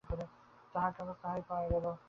তাঁহার কাগজে তাহাই পাওয়া গেল।